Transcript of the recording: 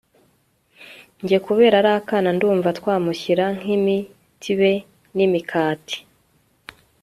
njye kubera ari akana, ndumva twamushyira nkimitbe nimikati